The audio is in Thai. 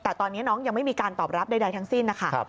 แต่ตอนนี้น้องยังไม่มีการตอบรับใดทั้งสิ้นนะคะ